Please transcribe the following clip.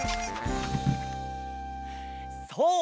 そう！